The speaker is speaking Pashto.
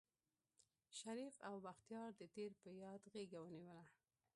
شريف او بختيار د تېر په ياد غېږه ونيوله.